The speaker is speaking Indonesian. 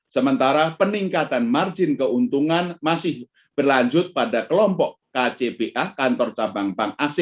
sementara peningkatan margin keuntungan masih berlanjut pada kelompok kcpa